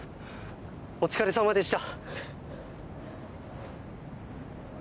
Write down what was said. お疲れさまでした。